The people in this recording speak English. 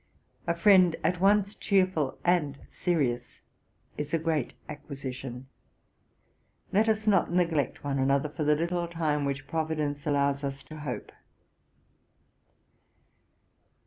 A friend, at once cheerful and serious, is a great acquisition. Let us not neglect one another for the little time which Providence allows us to hope.